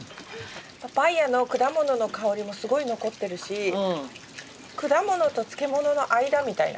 パパイアの果物の香りもすごい残ってるし果物と漬物の間みたいな。